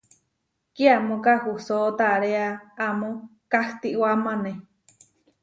Kiamó kahusó taréa amó kahtiwámane.